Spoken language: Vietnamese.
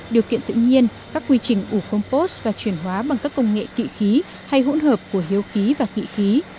điều kiện tự nhiên các quy trình ủ compost và chuyển hóa bằng các công nghệ kỵ khí hay hỗn hợp của hiếu khí và kỵ khí